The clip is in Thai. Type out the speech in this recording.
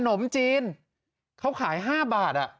นมจีนเขาขาย๕บาท